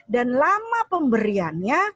dan lama pemberiannya